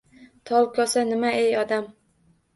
— Tolkosa nima, ey odam?